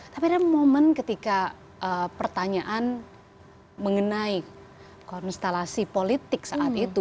tapi ada momen ketika pertanyaan mengenai konstelasi politik saat itu